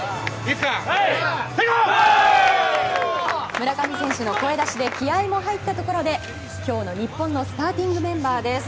村上選手の声出しで気合も入ったところで今日の日本のスターティングメンバーです。